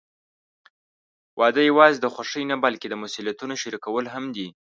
واده یوازې د خوښۍ نه، بلکې د مسوولیتونو شریکول هم دي.